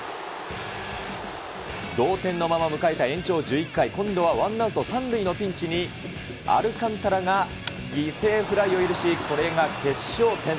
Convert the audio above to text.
同点のまま迎えた延長１１回、今度はワンアウト３塁のピンチに、アルカンタラが犠牲フライを許し、これが決勝点。